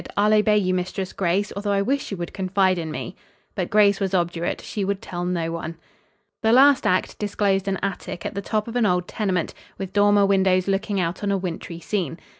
"I'll obey you Mistress Grace, although I wish you would confide in me." But Grace was obdurate. She would tell no one. The last act disclosed an attic at the top of an old tenement, with dormer windows looking out on a wintry scene.